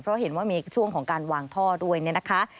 เพราะเห็นว่ามีช่วงของการวางท่อด้วยเนี่ยนะคะ